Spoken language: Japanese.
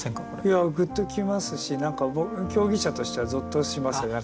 いやグッときますし何か競技者としてはゾッとしますよね。